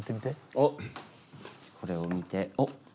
おっこれを見てあっ。